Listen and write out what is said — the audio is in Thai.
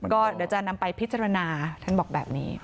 ก็เดี๋ยวจะนำไปพิจารณาท่านบอกแบบนี้